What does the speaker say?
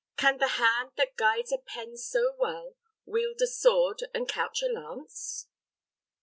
"Can the hand that guides a pen so well wield a sword and couch a lance?"